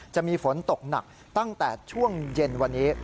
จะมีฝนตกหนักตั้งแต่ช่วงเย็นวันนี้